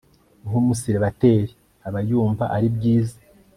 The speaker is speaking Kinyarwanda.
nk'umusilibateri aba yumva ari bwiza